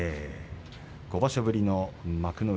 ５場所ぶりの幕内